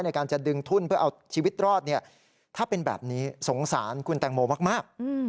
ในการจะดึงทุ่นเพื่อเอาชีวิตรอดถ้าเป็นแบบนี้สงสารคุณแตงโมมาก